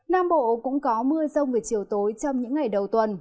nam bộ cũng có mưa rông về chiều tối trong những ngày đầu tuần